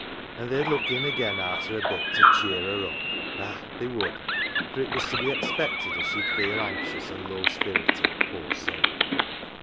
An' they'd look in again arter a bit to cheer her up ah ! they would for it was to be expected as she'd feel anxious an' low spirited, poor soul."